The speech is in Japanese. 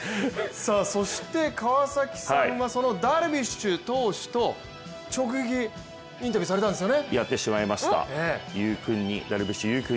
そして川崎さんはそのダルビッシュ投手と直撃インタビューされたんですよね？